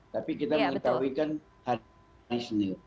tapi kita mengetahui kan hari ini sendiri